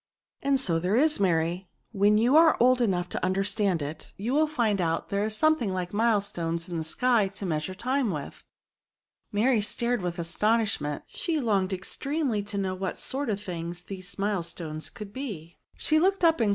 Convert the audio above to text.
*'And so there is, Mary ; when you are old enough to understand it, you will find that there is something like milestones in the sky to measure time with." Mary stared with astonishment; she longed extremely to know what sort of things these milestones could be ; she looked up in s 2 196 DEMOKSTRATIVE PROKOVNS.